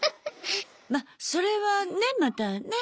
まそれはねまたね。